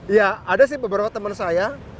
ya ada sih beberapa teman saya